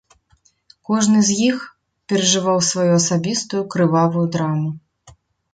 Кожны з іх перажываў сваю асабістую крывавую драму.